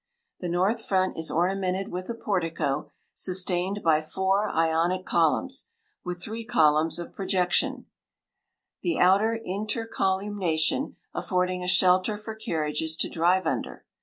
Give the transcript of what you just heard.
The north front is ornamented with a portico, sustained by four Ionic columns, with three columns of projection—the outer intercolumniation affording a shelter for carriages to drive under.